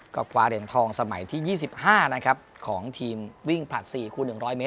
ก็คว้าเหรียญทองสมัยที่๒๕นะครับของทีมวิ่งผลัด๔คูณ๑๐๐เมต